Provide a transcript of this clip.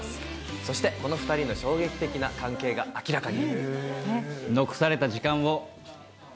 そして、この２人の衝撃的な関係が明らかに。